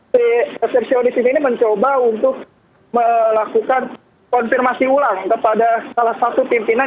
si resepsionis ini mencoba untuk melakukan konfirmasi ulang kepada salah satu pimpinan